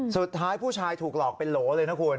สุดท้ายผู้ชายถูกหลอกเป็นโหลเลยนะคุณ